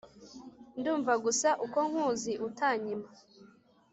ndumva gusa uko nkuzi utanyima